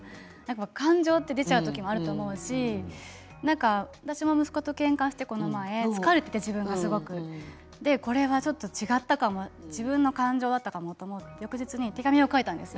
感情って出ちゃう時もあると思うし私も息子とけんかしてこの前、自分がすごい疲れていてこれは違ったかも、自分の感情とか翌日、手紙を書いたんですよ。